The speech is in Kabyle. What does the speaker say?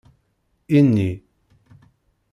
Ini.